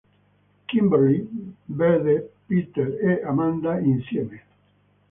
Kimberly vede Peter e Amanda insieme.